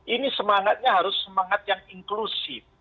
ini semangatnya harus semangat yang inklusif